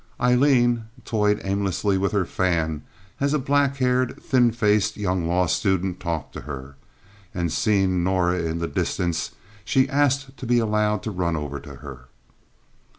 Aileen toyed aimlessly with her fan as a black haired, thin faced young law student talked to her, and seeing Norah in the distance she asked to be allowed to run over to her.